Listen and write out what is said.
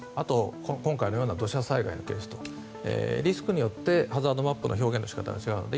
今回のような土砂災害のケースとリスクによってハザードマップの表現の仕方が違うので。